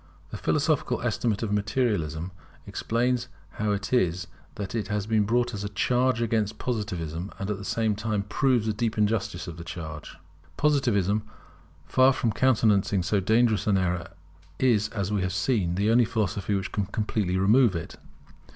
This philosophical estimate of Materialism explains how it is that it has been brought as a charge against Positivism, and at the same time proves the deep injustice of the charge. Positivism, far from countenancing so dangerous an error, is, as we have seen, the only philosophy which can completely remove it.